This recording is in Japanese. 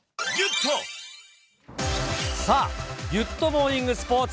さあ、ギュッとモーニングスポーツ。